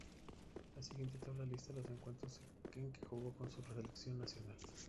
La siguiente tabla lista los encuentros en que jugó con su selección nacional.